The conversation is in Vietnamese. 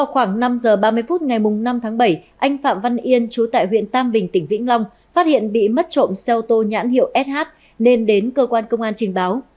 khoảng năm giờ ba mươi phút ngày năm tháng bảy anh phạm văn yên chú tại huyện tam bình tỉnh vĩnh long phát hiện bị mất trộm xe ô tô nhãn hiệu sh nên đến cơ quan công an trình báo